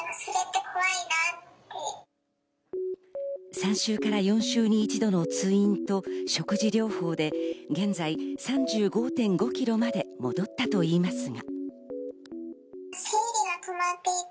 ３週から４週に一度の通院と食事療法で現在３５．５ｋｇまで戻ったといいますが。